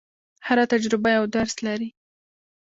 هره تجربه یو درس لري.